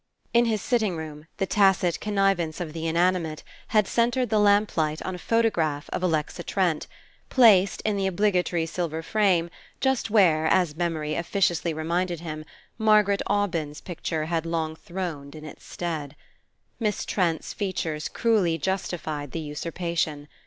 In his sitting room, the tacit connivance of the inanimate had centred the lamp light on a photograph of Alexa Trent, placed, in the obligatory silver frame, just where, as memory officiously reminded him, Margaret Aubyn's picture had long throned in its stead. Miss Trent's features cruelly justified the usurpation.